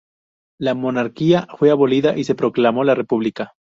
La monarquía fue abolida y se proclamó la república.